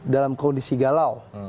dalam kondisi galau